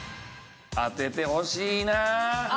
当ててほしいなあ。